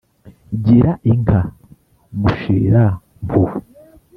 Gira inka Mushira-mpuhwe